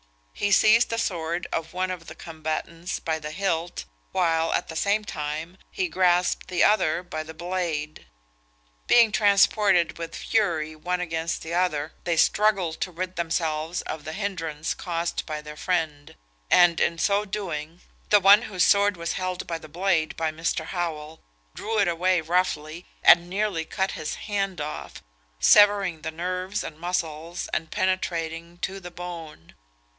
He seized the sword of one of the combatants by the hilt, while, at the same time, he grasped the other by the blade. Being transported with fury one against the other, they struggled to rid themselves of the hindrance caused by their friend; and in so doing, the one whose sword was held by the blade by Mr. Howell, drew it away roughly, and nearly cut his hand off, severing the nerves and muscles, and penetrating to the bone.